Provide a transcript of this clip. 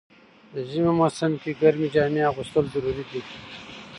د ژمی موسم کی ګرمی جامی اغوستل ضروري ده.